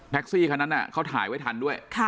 ซี่คันนั้นเขาถ่ายไว้ทันด้วย